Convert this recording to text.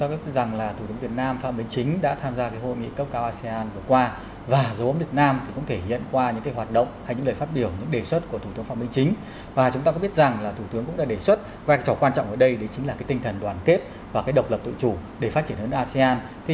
vâng thưa ông ông đánh giá như thế nào về dấu ấn của việt nam có hội nghị asean lần thứ bốn mươi ba vừa rồi